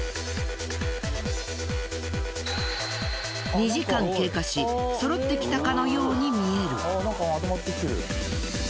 ２時間経過し揃ってきたかのように見える。